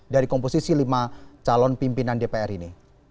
jadi ini dulu sifat pemerintah